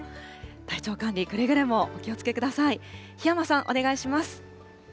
体調管理、くれぐれもお気をつけください。